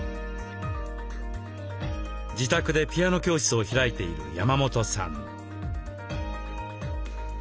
自宅でピアノ教室を開いている山本さん。